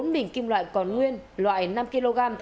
bốn bình kim loại còn nguyên loại năm kg